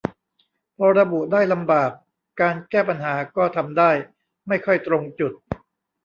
พอระบุได้ลำบาก การแก้ปัญหาก็ทำได้ไม่ค่อยตรงจุด